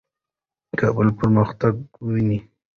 کابل پرمختګ ویني.